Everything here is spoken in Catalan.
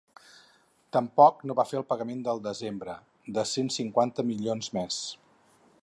Tampoc no va fer el pagament del desembre, de cent cinquanta milions més.